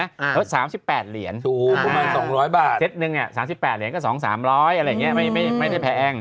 ก็๓๘เหรียญถูกประมาณ๒๐๐บาทเซตนึง๓๘เหรียญก็๒๓๐๐บาทอะไรอย่างนี้ไม่ได้แพง